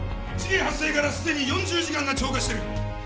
事件発生からすでに４０時間が超過してる。